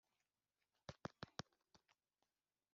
Nuko Loti yihitiramo Akarere kose ka Yorodani